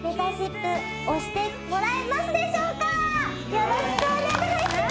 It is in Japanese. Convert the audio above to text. よろしくお願いします！